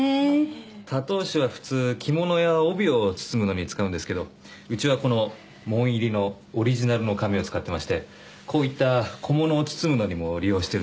たとう紙は普通着物や帯を包むのに使うんですけどうちはこの紋入りのオリジナルの紙を使ってましてこういった小物を包むのにも利用してるんですよ。